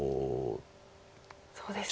そうですか。